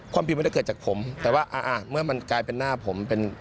ความผิดมันจะเกิดจากผมแต่ว่าอ่าเมื่อมันกลายเป็นหน้าผมเป็น